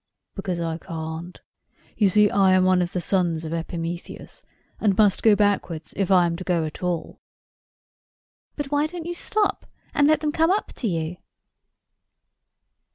"Because I can't. You see, I am one of the sons of Epimetheus, and must go backwards, if I am to go at all." "But why don't you stop, and let them come up to you?"